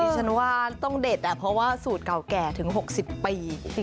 ฉันว่าต้องเด็ดเพราะว่าสูตรเก่าแก่ถึง๖๐ปี